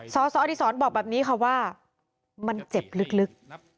สสอดีศรบอกแบบนี้ค่ะว่ามันเจ็บลึก